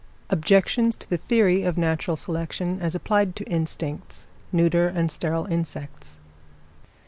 _Objections to the Theory of Natural Selection as applied to Instincts: Neuter and Sterile Insects.